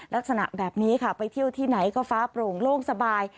ลักษณะแบบนี้ค่ะไปเที่ยวที่ไหนก็ฟ้าโปร่งโล่งสบาย